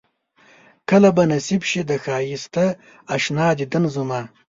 کله به نصيب شي د ښائسته اشنا ديدن زما